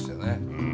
うん。